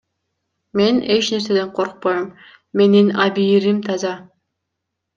Мен эч нерседен коркпойм, менин абийирим таза.